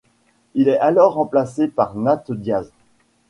Il est alors remplacé par Nate Diaz.